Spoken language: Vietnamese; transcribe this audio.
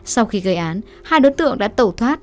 sau khi gây án hai đối tượng đã tẩu thoát